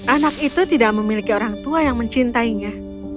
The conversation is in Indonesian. anak itu tidak memiliki orang tua yang mencintainya